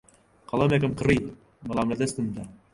قەڵەمێکم کڕی، بەڵام لەدەستم دا.